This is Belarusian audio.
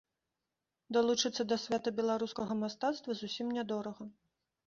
Далучыцца да свята беларускага мастацтва зусім нядорага.